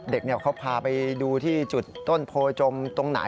เด็กเขาพาไปดูที่จุดต้นโพจมตรงไหน